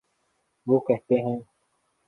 وہ کہتے ہیں۔